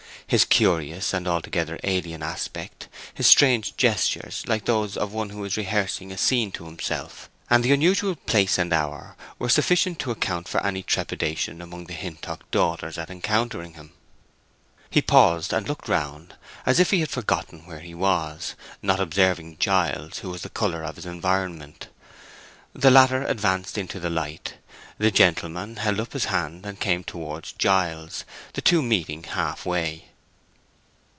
His curious and altogether alien aspect, his strange gestures, like those of one who is rehearsing a scene to himself, and the unusual place and hour, were sufficient to account for any trepidation among the Hintock daughters at encountering him. He paused, and looked round, as if he had forgotten where he was; not observing Giles, who was of the color of his environment. The latter advanced into the light. The gentleman held up his hand and came towards Giles, the two meeting half way.